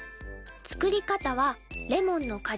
作り方はレモンのか